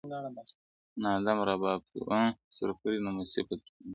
نه آدم رباب سور کړی نه مستي په درخانۍ کي!.